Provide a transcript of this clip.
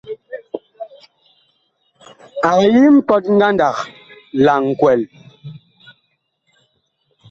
Ag yi mpɔt ngandag la nkwɛl.